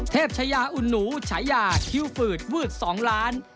ชายาอุ่นหนูฉายาคิวฝืดวืด๒ล้าน